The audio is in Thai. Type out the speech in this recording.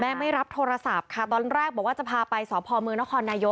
แม่ไม่รับโทรศัพท์ค่ะตอนแรกบอกว่าจะพาไปสพมนนน